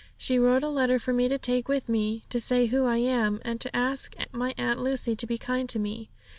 She wrote a letter for me to take with me, to say who I am, and to ask my Aunt Lucy to be kind to me.